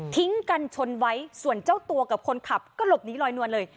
ทิ้งกันชนไว้ส่วนเจ้าตัวกับคนขับก็หลบหนีลอยนวลเลย